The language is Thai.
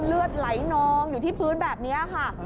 เลือดไหลนองอยู่ที่พื้นแบบนี้ค่ะ